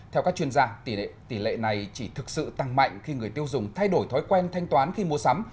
theo các chuyên gia tỷ lệ này chỉ thực sự tăng mạnh khi người tiêu dùng thay đổi thói quen thanh toán khi mua sắm